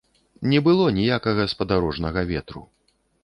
Не было ніякага спадарожнага ветру.